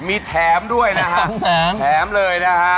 มีแถมด้วยนะฮะแถมแถมเลยนะฮะ